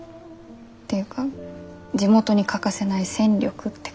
ていうか地元に欠かせない戦力って感じ。